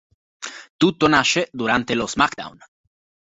Tutto nasce durante lo SmackDown!